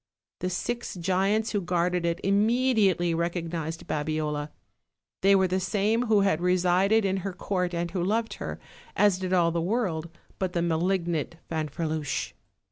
The six giants who guarded it immediately recognized Babiola! They were the same who had resided in her court and who loved her, as did all the world but the malignant Fanferluche.